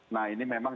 nah ini memang